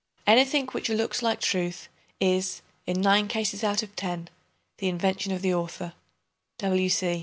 Anything which "looks like truth" is, in nine cases out of ten, the invention of the author.